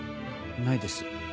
ないです。